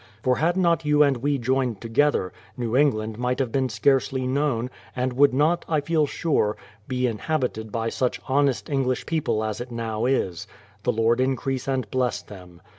For had not you and we joined together, New England might have been scarcely known, and would not, I feel sure, be inhabited by such honest English people as it now is. The Lord increase and bless them.